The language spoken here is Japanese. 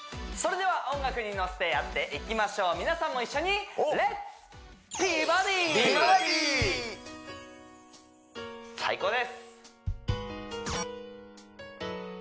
それでは音楽に乗せてやっていきましょう皆さんも一緒に最高です！